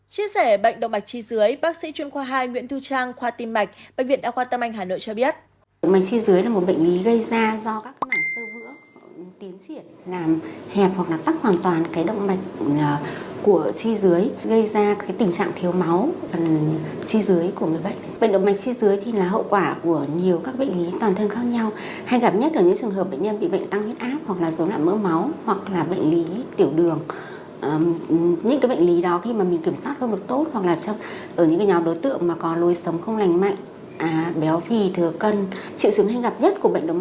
chia sẻ bệnh động mạch chi dưới bác sĩ chuyên khoa hai nguyễn thu trang khoa tiêm mạch bệnh viện đa khoa tâm anh hà nội cho biết